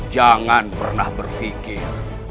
jangan pernah berpikir